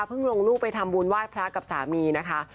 ลงลูกไปทำบุญไหว้พระกับสามีนะคะ